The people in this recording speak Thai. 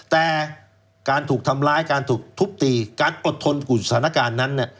แต่การถูกทำร้ายการถูกทุบตีการอดทนกลุ่มสถานการณ์นั้น